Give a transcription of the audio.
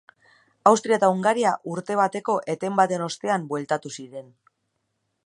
Austria eta Hungaria urte bateko eten baten ostean bueltatu ziren.